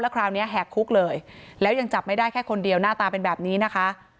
คราวนี้แหกคุกเลยแล้วยังจับไม่ได้แค่คนเดียวหน้าตาเป็นแบบนี้นะคะ